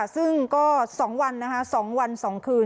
ซึ่งก็สองวันนะคะสองวันสองคืน